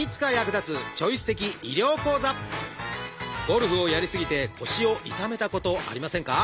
ゴルフをやり過ぎて腰を痛めたことありませんか？